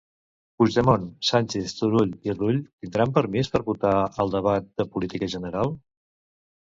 Puigdemont, Sànchez, Turull i Rull tindran permís per votar al debat de política general?